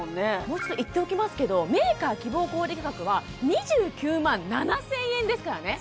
もう一度言っておきますけどメーカー希望小売価格は２９万７０００円ですからね